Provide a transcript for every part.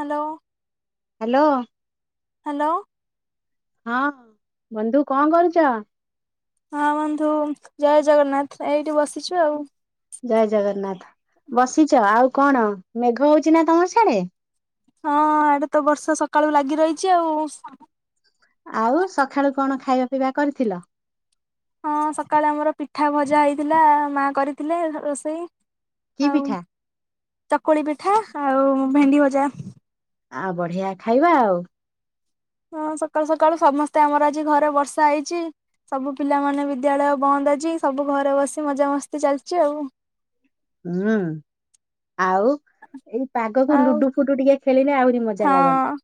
Hello. Hello. Hello. ହଁ ବନ୍ଧୁ କଣ କରୁଚ? ହଁ ବନ୍ଧୁ ଜୟ ଜଗନ୍ନାଥ ଏଇଠି ବସିଛୁ ଆଉ। ଜୟ ଜଗନ୍ନାଥ। ବସିଛ ଆଉ କଣ ମେଘ ହଉଛି ନା ତୋମର ସିଆଡେ? ହଁ ଆଡେ ତ ବର୍ଷା ସକାଳୁ ଲାଗି ରହିଛି ଆଉ। ଆଉ ସଖାଳୁ କଣ ଖାଇବା ପିଇବା କରିଥିଲ? ହଁ ସକାଳେ ଆମର ପିଠା ଭଜା ହେଇଥିଲା। ମା କରିଥିଲେ ରୋଷେଇ। କି ଆଉ ପିଠା? ଚକୁଳି ପିଠା ଆଉ ଭେଣ୍ଡି ଭଜା। ଆଉ ବଢିଆ ଖାଇବା ଆଉ। ହଁ ସକାଳୁ ସକାଳୁ ସମସ୍ତେ ଆମର ଆଜି ଘରେ ବର୍ଷା ହେଇଛି। ସବୁ ପିଲାମାନେ ବିଦ୍ୟାଳୟ ବନ୍ଦ ଅଛି। ସବୁ ଘରେ ବସି ମଜାମସ୍ତି ଚାଲିଚି ଆଉ। ହୁଁ, ଆଉ ଏଇ ପାଗକୁ ଆଉ ଲୁଡୁ ଫୁଡୁ ଟିକେ ଖେଳିନେ ଆହୁରି ମଜା ଲାଗନ୍ତା।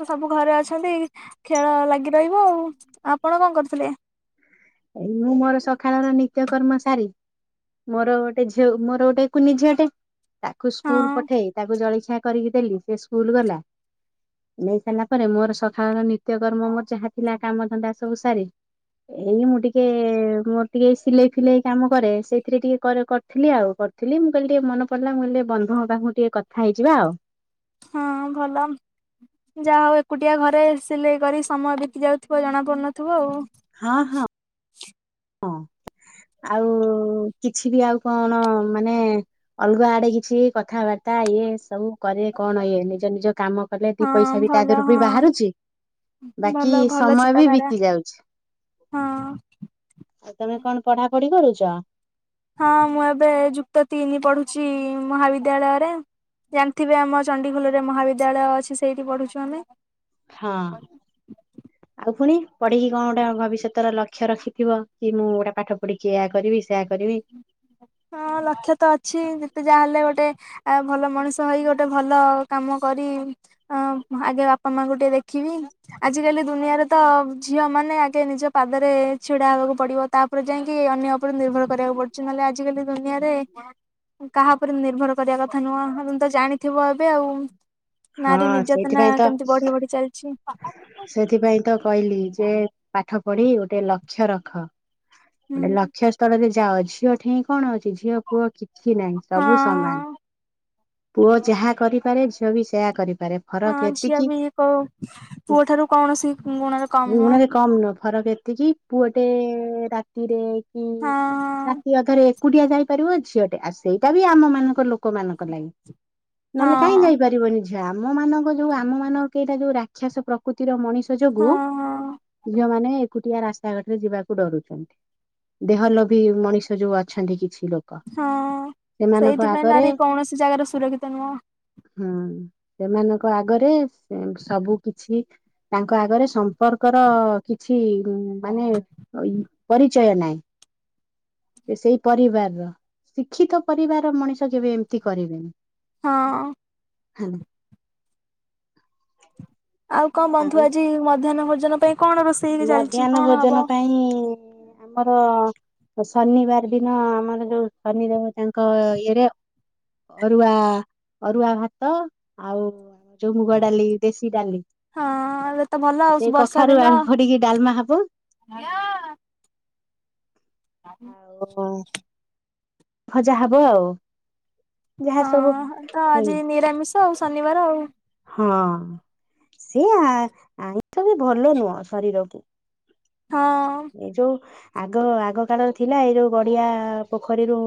ତ ସବୁ ଘରେ ଅଛନ୍ତି ଖେଳ ଲାଗି ରହିବ ଆଉ। ଆପଣ କଣ କରୁଥିଲେ? ଏଇ ମୁଁ ମୋର ସଖାଳ ର ନିତ୍ୟ କର୍ମ ସାରି ମୋର ଗୋଟେ ଝିଅ, ମୋର ଗୋଟେ କୁନି ଝିଅଟେ ତାକୁ ହଁ ସ୍କୁଲ୍ ପଠେଇ। ତାକୁ ଜଳଖିଆ କରିକି ଦେଲି ସେ ସ୍କୁଲ୍ ଗଲା। ନେଇ ସାରିଲା ପରେ ମୋର ସଖାଳର ନିତ୍ୟକର୍ମ ମୋର ଯାହା ଥିଲା କାମ ଧନ୍ଦା ସବୁ ସାରି। ଏଇ ମୁଁ ଟିକେ ମୋର ଟିକେ ସିଲେଇ ଫିଲେଇ କାମ କରେ। ସେଇ ଥିରେ ଟିକେ କର କରିଥିଲି ଆଉ। କରିଥିଲି ମୁଁ କହିଲି ଟିକେ ମନ ପଡିଲା ମୁଁ କହିଲି ଟିକେ ବନ୍ଧୁ ପାଖକୁ ଟିକେ କଥା ହେଇଯିବା ଆଉ। ହଁ ଭଲ। ଯାହା ହଉ ଏକୁଟିଆ ଘରେ ସିଲେଇ କରି ସମୟ ବିିତି ଯାଉଥିବ ଜଣା ପଡୁନଥୁବ। ହଁ, ହଁ। ହଁ। ଆଉ କିଛି ବି ଆଉ କଣ ମାନେ ଅଲଗା ଆଡେ କିଛି କଥାବାର୍ତ୍ତା ତା ଇଏ ସବୁ କରେ କଣ ଇଏ ନିଜ ନିଜ କାମ କଲେ ଦି ପଇସା ହଁ ବି ତା ଭଲ ଦେହରୁ ହଁ ବି ବାହାରୁଛିି। ବାକି, ଭଲ ଭଲ ସମୟ ବି ଚିନ୍ତାଧାରା ବିତି ଯାଉଛି। ହଁ। ଆଉ ତମେ କଣ ପଢ଼ା ପଢ଼ି କରୁଚ? ହଁ, ମୁଁ ଏବେ ଯୁକ୍ତ ତିନି ପଢୁଛି, ମହାବିଦ୍ୟାଳୟରେ। ଜାଣିଥିବେ, ଆମ ଚଣ୍ଡିଖୋଲରେ ମହାବିଦ୍ୟାଳୟ ଅଛି। ସେଇଠି ପଢୁଛୁ ଆମେ। ହଁ, ଆଉ ପୁଣି। ପଢିକି କଣ ଗୋଟେ ଭବିଷ୍ୟତର ଲକ୍ଷ୍ୟ ରଖିଥିବ! କି ମୁଁ ଗୋଟେ ପାଠ ପଢିକି ଏୟା କରିବି, ସେୟଆ କରିବି। ହଁ, ଲକ୍ଷ ତ ଅଛି। ଯେତେ ଯାହାହେଲେ ଗୋଟେ ଆ ଭଲ ମଣିଷ ହେଇ, ଗୋଟେ ଭଲ କାମ କରି, ଅଁ ଆଗେ ବାପା ମାଁ ଙ୍କୁ ଟିକେ ଦେଖି ଖିବି। ଆଜିକାଲି ଦୁନିଆରେ ତ ଝିଅ ମାନେ ଆଗେ ନିଜ ପାଦରେ ଛିଡା ହେବାକୁ ପଡିବ। ତା'ପରେ ଯାଇକି ଅନ୍ୟ ଉପରେ ନିର୍ଭର କରିବାକୁ ପଡୁଛି। ନହେଲେ ଆଜିକାଲି ଦୁନିଆରେ କାହା ଉପରେ ନିର୍ଭର କରିବା କଥା ନୁହଁ। ଆପଣ ତ ଜାଣିଥିବ ଏବେ ଆଉ। ନାରୀ ହଁ ନିର୍ଯାତନା ସେଇଥିପାଇଁ ତ କେମିତି ବଢି ବଢି ଚାଲିଛି? ଟେ ପାଠ ପଢି ଗୋଟେ ଲକ୍ଷ୍ୟ ରଖ। ଗୋଟେ ହୁଁ ଲକ୍ଷ୍ୟ ସ୍ଥଳରେ ଯେ ଯାଅ, ଝିଅଠେଇଁ କଣ ଅଛି? ଝିଅ ପୁଅ କିଛି ନାହିଁ। ହଁ ସବୁ ସମାନ। ପୁଅ ଯାହା କରିପାରେ ଝିଅ ବି ସେ ପାରେ। ଫରକ୍ ହଁ ଝିଅ ଏତିକି, ବି କୋଉ ପୁଅ ଠାରୁ କୌଣସି ଗୁଣରେ କମ ନୁହଁ ହଁ ଗୁଣରେ କମ୍ ନୁହଁ। ଫରକ ଏତିକି, ପୁଅଟେ ରାତିରେ କି! ହଁ। ରାତି ଅଧରେ ଏକୁଟିଆ ଯାଇପାରିବ ଝିଅଟେ। ଆଉ ସେଇଟା ବି ଆମ ମାନଙ୍କ ଲୋକମାନଙ୍କ ଲାଗି। ନହେଲେ କାଇଁ ହଁ ଯାଇପାରିବନି ଝିଅ! ଆମ ମାନଙ୍କ ଯୋଉ, ଆମ ମାନଙ୍କ କେଇଟା ଯୋଉ ରାକ୍ଷାସ ପ୍ରକୃତିର ମଣିଷ ତ ଯୋଗୁଁ ହଁ ହଁ ଝିଅମାନେ ଏକୁଟିଆ ରାସ୍ତା ଘାଟରେ ଯିବାକୁ ଡରୁଛନ୍ତି। ଦେହ ଲୋଭୀ ମଣିଷ ଯୋଉ ଅଛନ୍ତି କିଛି। ଲୋକ ହଁ, ସେମାନଙ୍କ ସେଇଥିପାଇଁ ଆଗରେ ନାରୀ କୌଣସି ଜାଗାରେ ସୁରକ୍ଷିତ ନୁହଁ। ହୁଁ, ସେମାନଙ୍କ ଆଗରେ ସେ ସବୁ କିଛି ତାଙ୍କ ଆଗରେ ସମ୍ପର୍କର କିଛି ମାନେ, ଇ ପରିଚୟ ନାହିଁ। ଇଏ ସେଇ ପରିବାର ର। ଶିକ୍ଷିତ ପରିବାର ମଣିଷ ଯେବେ ଏମିତି କରିବେନି। ହଁ। ହେଲା। ଆଉ, କଁ ବନ୍ଧୁ ଆଉ ଆଜି ମଧ୍ୟାହ୍ନ ଭୋଜନ ପାଇଁ କଣ ରୋଷେଇ ଚାଲିଛି ମଧ୍ୟାହ୍ନ କଣ ହବ? ଭୋଜନ ପାଇଁ, ଆମର ଶନିବାର ଦିନ ଆମର ଯୋଉ ଶନି ଦେବ, ତାଙ୍କ ଇଏର ଅରୁଆ, ଅରୁଆ ଭାତ ଆଉ-ଉ ଯଉ ମୁୁଗ ଡାଲି, ଦେଶୀ ଡାଲି, ହଁ ଏବେ ତ ଭଲ ଆଉ ସେଇ ବର୍ଷା କଖାରୁ ଦିନ ଆଳୁ ଇଏ ଡାଲମା ହବ। ଆଉ-ଉଁ ଭଜା ହବ ଆଉ। ଯାହା ହଁ, ସବୁ ତ ଆଜି ନିରାମିଷ ଆଉ ଶନିବାର ଆଉ। ହଁ, ସେ ଆ-ଆଇଷଁ ବି, ଭଲ ନୁହଁ ଶରୀରକୁ। ହଁ ଏଇ ଯୋଉ ଆଗ ଆଗ କାଳରେ ଥିଲା, ଏଇ ଯୋଉ ଗଡିଆ ପୋଖରୀରୁ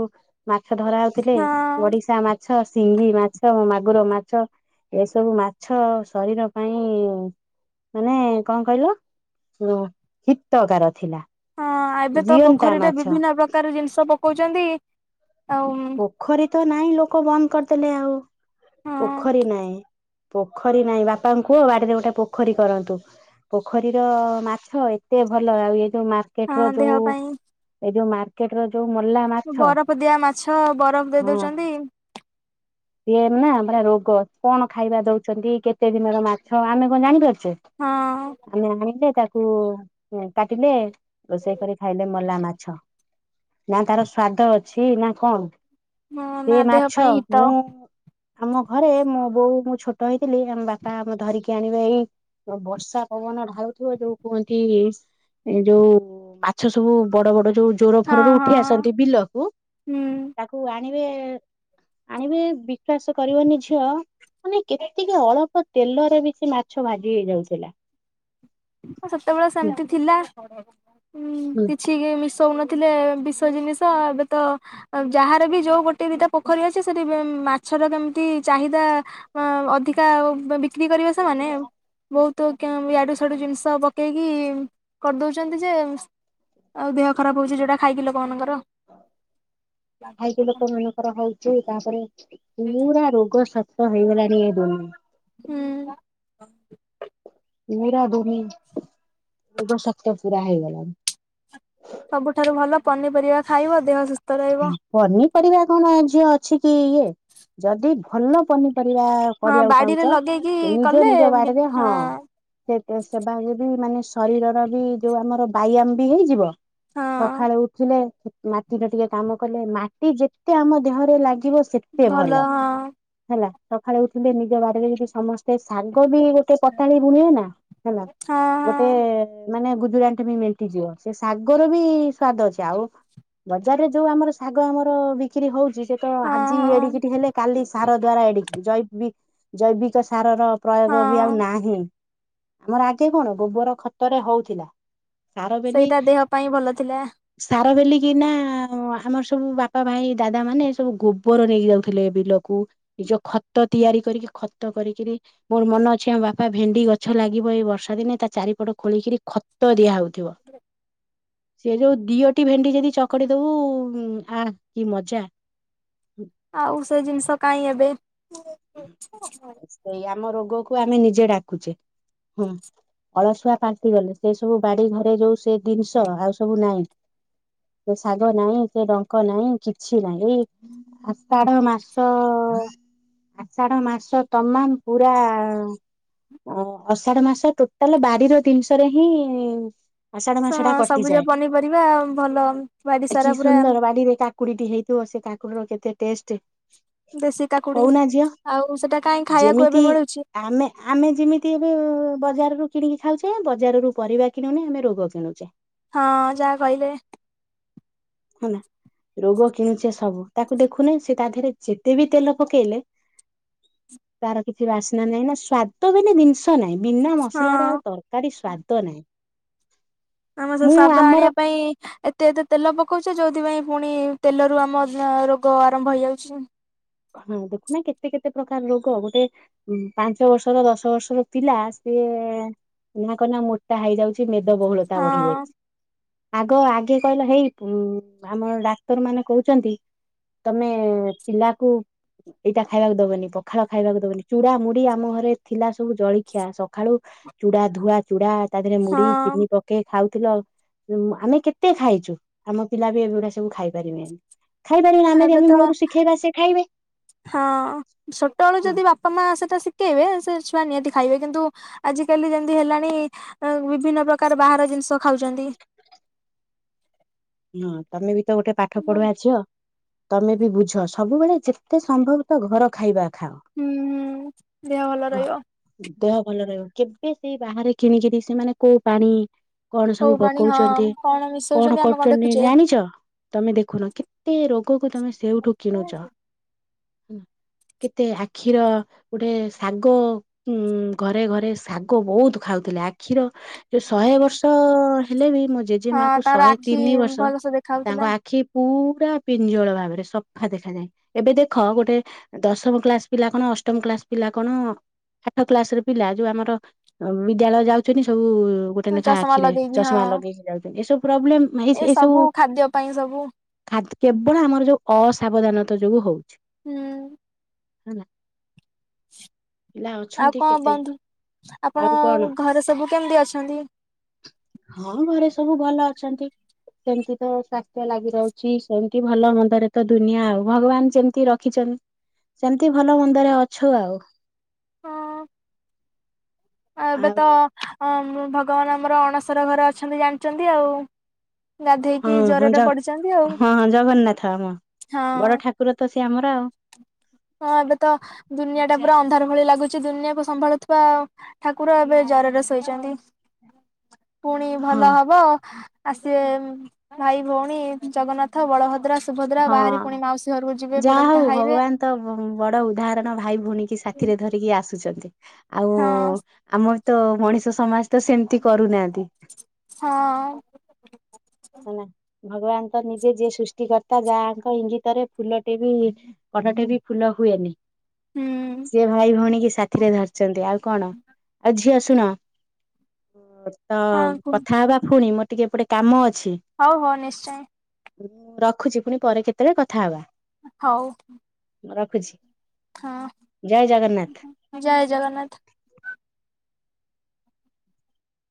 ମାଛ ଧରା ହଉଥିଲେ, ହଁ। ଗଡିଶା ମାଛ, ସିଙ୍ଗି ମାଛ, ମାଗୁର ମାଛ, ଏସବୁ ମାଛ ଶରୀର ପାଇଁ ମାନେ କଣ କହିଲ! ଯଉ ହିତକାର ଥିଲା। ହଁ, ଏବେ ତ ଜିଅନ୍ତା ପୋଖରୀରେ ମାଛ ବିଭିନ୍ନ ପ୍ରକାର ଜିନିଷ ପକଉଚନ୍ତି। ଆଉ ପୋଖରୀ ତ ନାଇଁ ଲୋକ ବନ୍ଦ କରିଦେଲେ ଆଉ। ହଁ। ପୋଖରୀ ନାହିଁ। ପୋଖରୀ ନାହିଁ। ବାପାଙ୍କୁ କୁହ ବାଡିରେ ଗୋଟେ ପୋଖରୀ କରନ୍ତୁ। ପୋଖରୀର ମାଛ ଏତେ ଭଲ। ଆଉ ଏ ଯୋଉ ମାର୍କେଟ ର ହଁ ଦେହ ଯୋଉ, ପାଇଁ ଏଇ ଯୋଉ ମାର୍କେଟ ର ଯୋଉ ମଲା ମାଛ ବରଫ ଦିଆ ମାଛ, ବରଫ ଦେଇ ଦଉଛନ୍ତି। ହ ସିଇନା ପୁରା ରୋଗ। କଣ ଖାଇବା ଦଉଛନ୍ତି, କେତେ ଦିନର ମାଛ, ଆମେ କଣ ଜାଣିପାରୁଛୁ? ହଁ। ଚେ ଆମ ଆଣିିଲେ ତା କୁ କାଟିଲେ, ରୋଷେଇ କରି ଖାଇଲେ ମଲା ମାଛ। ନା, ତାର ସ୍ଵାଦ ଅଛି ନା! କଣ ହଁ ନା ସେ ଦେହ ମାଛ ପାଇଁ ହିତ ମୁଁ ଆମ ଘରେ ମୁଁ ବୋଉ ମୁଁ ଛୋଟ ହେଇଥିଲି ଆମ ବାପା ଆମ ଧରିକି ଆଣିବେ ଏଇ ବର୍ଷା ପବନ ଢାଳୁଥିବ ଯୋଉ କୁହନ୍ତି ଏ ଯୋଉ ମାଛ ସବୁ ବଡ ବଡ ଯୋଉ ଜୋର ହଁ ଫୋରରୁ ଉଠି ହଁ ଆସନ୍ତି ବିଲକୁ, ହୁଁ ତାକୁ ଆଣିବେ ଆଣିବେ ବିଶ୍ୱାସ କରିବନି ଝିଅ ମାନେ କେତିକି ଅଳ୍ପ ତେଲରେ ବି ସେ ମାଛ ଭାଜି ହେଇଯାଉଥିଲା। ସେତେବେଳେ ସେମିତି ଥିଲା। କିଛି ମିଶ ଶୋଉନଥିଲେ ବିଷ ଜିନିଷ। ଏବେ ତ ଯାହାର ବି ଯୋଉ ଗୋଟେ ଦିଟା ପୋଖରୀ ଅଛି ସେଠି ମାଛର କେମିତି ଚାହିଦା ଅଧିକା ବିକ୍ରି କରିବେ ସେମାନେ ବହୁତ କୁ ଇଆଡୁ ଜିନିଷ ପକେଇକି କରିଦଉଛନ୍ତି ଯେ ଆଉ ଦେହ ଖରାପ ହଉଚି ଯୋଉଟା ଖାଇକି ଲୋକମାନଙ୍କର। ଖାଇକି ଲୋକ ମାନଙ୍କର ହଉଚି। ତାପରେ ପୁରା ରୋଗ ସତ ହେଇଗଲାଣିି। [unintelligible] ହୁଁ। ପୁରା [unintelligible] ଶକ୍ତ ପୁରା ହେଇଗଲାଣି। ସବୁଠାରୁ ଭଲ ପନିପରିବା ଖାଇବ ଦେହ ସୁସ୍ ପନିପରିବା କଣ ଝିଅ ଅଛି କି ଇଏ। ଯଦି ଭଲ ପନିପ ପରିବା ହଁ କରିବାକୁ ବାଡିରେ ଚାହୁଁଚ, ଲଗେଇକି ନିଜ କଲେ ନିଜ ବାଡି ରେ ହଁ [unintelligible] ସେବା ଯେ ବି ମାନେ ଶରୀରର ବି ଯୋଉ ଆମର ବ୍ୟାୟାମ ବି ହେଇଯିବ। ହଁ। ସକାଳେ ଉଠିଲେ ମାଟିର ଟିକେ କାମ କଲେ, ମାଟି ଯେତେ ଆମ ଦେହରେ ଲାଗି ଖଟିବ ସେତେ ଭଲ ହେଲା। ସକାଳେ ଉଠିଲେ ନିଜ ବାଡି ରେ ଯଦି ସମସ୍ତେ ଶାଗ କୋଉଠି ଗୋଟେ ପଟାଳି ବୁଣିବେ ନା ହେଲା, ଗୋଟେ ହଁ ମାନେ ବୁ ଗୁଜୁରାଣ ଟି ବି ମେଣ୍ଟି ଯିବ। ସେ ଶାଗର ବି ସ୍ଵାଦ ଅଛି। ଆଉ ବଜାରରେ ଯୋଉ ଆମର ଶାଗ ଆମର ବିକ୍ରି ହଉଚି, ସେଏ ତ ହଁ ଆଜି ହଁ ଏଡ଼ିକି ଟେ ହେଲେ କାଲି ସାର ଦ୍ଵାରା ଏଡିକି ଜ ଜୈବିକ ସାରର ହଁ ପ୍ରୟୋଗ ବି ଆଉ ହଁ ନାହିଁ। ଆମର ଆଗେ କଣ ଗୋବର ଖତରେ ହଉଥିଲା। ସାରବେଲି ସେଇଟା ଦେହ ପାଇଁ ଭଲ ଥିଲା। ସାରବେଲି କି ନା ଆମର ସବୁ ବାପା ଭାଇ ଦାଦା ମାନେ ସବୁ ଗୋବର ନେଇକି ଯାଉଥିଲେ ବିଲକୁ, ନିଜ ଖତ ତିଆରି କରିକି ଖତ କରିକିରି ମୋର ମନ ଅଛି ଆମ ବାପା ଭେଣ୍ଡି ଗଛ ଲାଗିବ ଏଇ ବର୍ଷା ଦିନେ ତା ଚାରିପଟ ଖୋଳିକିରି ଖତ ଦିଆ ହଉଥିବ। ସେ ଯୋଉ ଦିଅଟି ଭେଣ୍ଡି ଯଦି ଚକଡ଼ି ଦବୁ ଆହା କି ମଜା! ଆଉ ସେ ଜିନିଷ କାଇଁ ଏବେ। ସେଇ ଆମ ରୋଗକୁ ଆମେ ନିଜେ ଡାକୁଚେ। ହୁଁ। ଅଳସୁଆ ପାଲଟି ଗଲେ। ସେ ସବୁ ବାଡି ଘରେ ଯୋଉ ସେ ଜିନିଷ ଆଉ ସବୁ ନାଇଁ। ସେ ଶାଗ ନାଇଁ ସେ ଡଙ୍କ ନାଇଁ କିଛି ନାଇଁ। ଏଇ ଆଷାଢ ମାସ ଅ ଆଷାଢ ମାସ ତମାମ ପୁରା ଅ ଅଷାଢ ମାସ ଟୋଟାଲ ବାଡି ର ଦିନିଷରେ ହିଁ ଆଷାଢ ମାସଟା ହଁ ସବୁଜ କଟିଯାଏ। ପନିପରିବା ଭଲ ବାଡି କି ସାରା ପୁରା ସୁନ୍ଦର ବାଡିରେ କାକୁଡିଟି ହେଇଥିବ ସେ କା କୁଡ଼ିର କେତେ ଟେଷ୍ଟେ। ଦେଶୀ କାକୁଡି। ଆଉ ସେଟା କାହିଁ ଖାଇବାକୁ ଯେମିତି ଏବେ ମିଳୁଛି ଆମେ ଆମେ ଯେମିତି ଏବେ ବ ବଜାର ରୁ କିଣିକି ଖାଉଚେ, ବଜାର ରୁ ପରିବା କିଣୁନେ ଆମେ ରୋଗ କିଣୁଚ଼େ। ହଁ ଯାହା କହିଲେ। ହଁ ନା। ରୋଗ କିଣୁଚେ ସବୁ ତାକୁ ଦେଖୁନେ ସେ ତା ଦିହରେ ଯେତେ ବି ତେଲ ପକେଇଲେ ତାର କିଛି ବାସ୍ନା ନାହିଁ ନା ସ୍ଵାଦ ବୋଲି ଜିନିଷ ନାହିଁ। ବିନା ମସଲାରେ ହଁ ଆଉ ତରକାରୀ ସ୍ଵାଦ ନାହିଁ। ଆମେ ସେ ମୁଁ ସ୍ଵାଦ ଆମର ଆଣିବା ପାଇଁ ଏତେ ଏତେ ତେଲ ପକଉଚ଼େ ଯୋଉ ଥିପାଇଁ ପୁଣି ତେଲରୁ ଆମର ରୋଗ ଆରମ୍ଭ ହେଇଯାଉଚିଁ। ହଁ ଦେଖୁନା କେତେ କେତେ ପ୍ରକାର ରୋଗ ଗୋଟେ ପାଞ୍ଚ ବର୍ଷର ଦଶ ବର୍ଷର ପିଲା ସେ ଏ [unintelligible] କନା ମୋଟା ହେଇଯାଉଚ଼ି ମେଦ ବହୁଳତା ବଢି ହଁ ଯାଇଛି। ଆଗ ଆ କିଏ କହିଲା ହେଇ ପୁ ଆମର ଡାକ୍ତର ମାନେ କହୁଚ଼ନ୍ତି ତମେ ପିଲାକୁ ଏଇଟା ଖାଇୟାକୁ ଦବନି ପଖାଳ ଖାଇବାକୁ ଦବନି ଚୁଡା, ମୁୁଡି ଆମ ଘରେ ଥିଲା ସବୁ ଜଳଖିଆ ସଖାଳୁ ଓଉ ଚୁଡା ଧୁଆ ଚୁଡା ତା ଧିଅରେ ମୁଢ଼ି ହଁ ଚିନି ପକେଇ ଖାଉ। ଥିଲା ଆଉ ଆମେ କେତେ ଖାଇଚୁ ଆମ ପିଲା ବି ଏଗୁଡ଼ା ସବୁ ଖାଇପାରିବେନି। ଖାଇପାରିବେନା ଆମେ ଏବେ ଯେମି ତ ମୂଲୁରୁ ଶିଖେଇବା ସେ ଖାଇବେ। ହଁ ଛୋଟଏଳୁ ହଁ ଯଦି ବାପା, ମା ସେଟା ଶିକେଇବେ ସେ ଛୁଆ ନିହାତି ଖାଇବେ କିନ୍ତୁ ଆଜିକାଲି ଯେମିତି ହେଲାଣି ବିଭିନ୍ନ ପ୍ରକାର ବାହାର ଜିନିଷ ଖାଉଚ଼ନ୍ତି। [inaudible] ହଁ ତମେ ବି ତ ଗୋଟେ ପାଠ ହୁଁ ପଢୁଆ ଝିଅ। ତମେ ବି ବୁଝ ସବୁବେଳେ ଯେତେ ସମ୍ଭବ ତ ଘର ଖାଇବା ଖାଅ ହୁଁ ଦେହ ଭଲ ଗଃ ରହିବ ଦେହ ଭଲ ରହିବ। କେବେ ସେଇ ବାହାରେ କିଣିକିରି ସେମାନେ କୋଉ ପାଣି କଣ ସବୁ କୋଉ ପାଣି ହଁ ପକଉଚ଼ନ୍ତି କଣ କଣ ମିଶଉଛନ୍ତି ଆମେ କରୁ [unintelligible] ଦେଖୁଛେ। ଜାଣିଛ ତମେ ଦେଖୁନ କେତେ ରୋଗକୁ ତମେ ସେଉଠୁ କିଣୁଚ଼। [unintelligible] କେତେ ଆଖିର ଗୋଟେ ଶାଗ ଉଁ ଘରେ ଘରେ ଶାଗ ବହୁତ ଖାଉ ଥିଲେ ଆଖିର ଯଉ ଶହେ ବର୍ଷ ହେଲେ ବି ମୋ ଜେଜେ ହଁ ମା କୁ ତାର ଶହେ ଆଖି ତିନି ବର୍ଷ ଭଲସେ ଦେଖା ତାଙ୍କ ହାଉଥିଲା ଆଖି ପୁ ପୁରା ପିଞ୍ଜଳ ଭାବରେ ସଫା ଦେଖାଯାଏ। ଏବେ ଦେଖ ଗୋଟେ ଦଶମ କ୍ଲାସ ପିଲା କଣ ଅ ଷ୍ଟମ କ୍ଲାସ ପିଲା କଣ [unintelligible] ଠ କ୍ଲାସରେ ପିଲା ଯୋଉ ଆମର ଆଉ ବିଦ୍ୟାଳୟ ଯାଉଚ଼ନି ସବୁ ଗୋଟେ ନେଖା ଚଷମା ଆଖିରେ ଲଗେଇକି ଚଷମା ହଁ ଲଗେଇକି ଯାଉଚ଼ନ୍ତି। ଏସବୁ ପ୍ରବଲେମ୍ ମେହିସ୍ ଏ ସବୁ ଖାଦ୍ୟ ପାଇଁ ସବୁ ଖାଦ୍ କେବଳ ଆମର ଯୋଉ ଅସାବଧାନତା ଯୋଗୁ ହଉ ଉୁଁ। [unintelligible] ଲା। ଆଉ କଁ ବନ୍ଧୁ ଆଉ ଆପଣ କଣ ଘରେ ସବୁ କେମିତି ଅଛନ୍ତି? ହଁ ଘରେ ସବୁ ଭଲ ଅଛନ୍ତି। ସେମିତି ତ ସ୍ଵାସ୍ଥ୍ୟ ଲାଗି ରହୁଛି ସେମତି ଭଲ ମନ୍ଦରେ ତ ଦୁନିଆ ଆଉ ଭଗବାନ ସେମିତି ରଖ ରଖିଛନ୍ତି ସେମିତି ଭଲ ମନ୍ଦରେ ଅଛ ଆଉ [inaudible] ହଁ ଏବେ ଆଉ ତ ଭଗବାନ ଆମର ଅଣସର ଘରେ ଅଛନ୍ତି ଜାଣିଛନ୍ତି ଆଉ ହଁ ଗାଧେଇକି ହ ଜ୍ୱରରେ ପଡିଛନ୍ତି ଆଉ ହଁ ଜଗନ୍ନାଥ ଆମ ବଡ ହଁ ଠାକୁର ତ ସେ ଆମର ଆଉ ହଁ ଏବେ ତ ଦୁନିଆ ଟା ପୁରା ଅନ୍ଧାର ଭଳି ଲାଗୁଛି ଦୁନିଆକୁ ସମ୍ଭାଳୁଥିବା ଠାକୁର ଏବେ ଜରରେ ଶୋଇଛନ୍ତି ପୁଣି ହଁ ଭଲ ହବ ଆସିବେ ଭାଇ ଭଉଣୀ ଜଗନ୍ନାଥ ବଳଭଦ୍ର ସୁଭଦ୍ରା ହଁ ବାହାରି ପୁଣି ମାଉସୀ ଘରକୁ ଯିବେ ଯାହା ପୋଡପିଠା ହଉ ଖାଇବେ ଭଗବାନ ତ ବଡ ଉଦାହରଣ ଭାଇ ଭଉଣୀ କି ସାଥିରେ ଧରିକି ଆସୁଛନ୍ତି ଆଉ ହଁ ଆମର ତ ମଣିଷ ସମାଜ ତ ସେମିତି କରୁନାହାନ୍ତି ହଁ ହେଲା ଭଗବାନ ତ ନିଜେ ଯିଏ ସୃଷ୍ଟି କରତା ଯାହାଙ୍କ ଇଙ୍ଗିତରେ ଫୁଲଟେ ବି ପଟଟେ ବି ଫୁଲ ହୁଏନି ହୁଁ ସିଏ ଭାଇ ଭଉଣୀ କି ସାଥିରେ ଧରିଛନ୍ତି ଆଉ କଣ ଆଉ ଝିଅ ଶୁଣ ତ ହଁ କୁହ କଥା ହବା ପୁଣି ମୋର ଟିକେ ଏପଟେ କାମ ଅଛି ହଉ ହଉ ନିଶ୍ଚୟ ରଖୁଛି ପୁଣି ପରେ କେତେବେଳେ କଥା ହବା ହଉ। ମୁଁ ରଖୁଛି। ହଁ ଜୟ ଜଗନ୍ନାଥ। ଯୟ ଜଗନ୍ନାଥ।